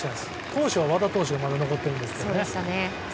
投手は和田投手がまだ残っていますけどね。